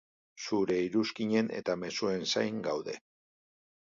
Zure iruzkinen eta mezuen zain gaude.